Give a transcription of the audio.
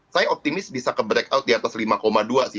saya optimis bisa ke break out di atas lima dua sih